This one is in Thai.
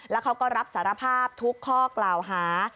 แล้วเขาก็รับสารภาพทุกข้อกล่าวหา